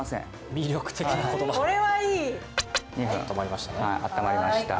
魅力的な言葉温まりましたね